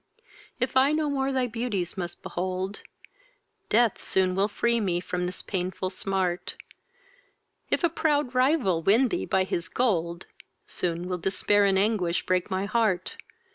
If I no more thy beauties must behold, Death soon will free me from this painful smart; If a proud rival win thee by his gold, Soon will despair and anguish break my heart.